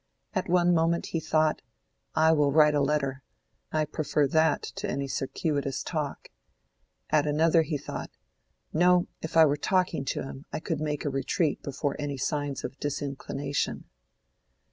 At one moment he thought, "I will write a letter: I prefer that to any circuitous talk;" at another he thought, "No; if I were talking to him, I could make a retreat before any signs of disinclination."